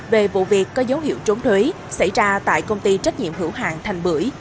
về vụ việc có dấu hiệu trốn thuế xảy ra tại công ty trách nhiệm hữu hạng thành bưởi